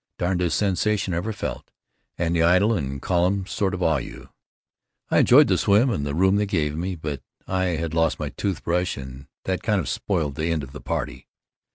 Darndest sensation I ever felt, and the idol and columns sort of awe you. I enjoyed the swim and the room they gave me, but I had lost my tooth brush and that kind of spoiled the end of the party.